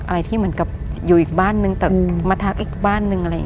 อะไรที่เหมือนกับอยู่อีกบ้านหนึ่งแต่มาทักอีกบ้านหนึ่ง